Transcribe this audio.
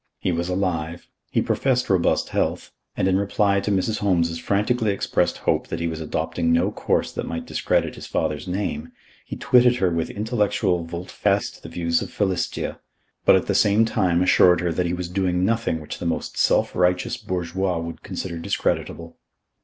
He was alive, he professed robust health, and in reply to Mrs. Holmes's frantically expressed hope that he was adopting no course that might discredit his father's name, he twitted her with intellectual volte face to the views of Philistia, but at the same time assured her that he was doing nothing which the most self righteous bourgeois would consider discreditable.